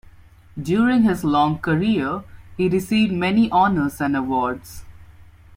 During his long career, he received many honours and awards.